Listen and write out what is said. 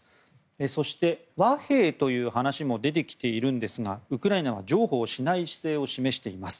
そして和平という話も出てきているんですがウクライナは譲歩をしない姿勢を示しています。